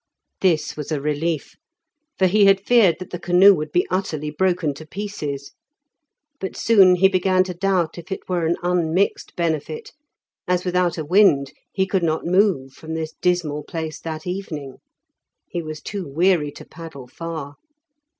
This was a relief, for he had feared that the canoe would be utterly broken to pieces; but soon he began to doubt if it were an unmixed benefit, as without a wind he could not move from this dismal place that evening. He was too weary to paddle far.